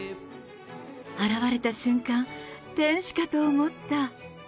現れた瞬間、天使かと思った。